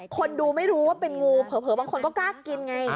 คนดูไม่รู้ว่าเป็นงูเผลอบางคนก็กล้ากินไง